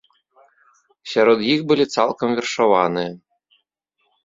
Сярод іх былі цалкам вершаваныя.